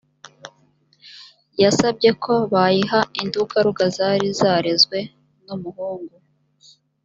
yasabye ko bayiha indugaruga zari zarezwe n’ umuhungu